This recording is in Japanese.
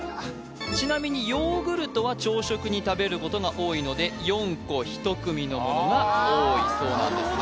ちなみにヨーグルトは朝食に食べることが多いので４個１組のものが多いそうなんですね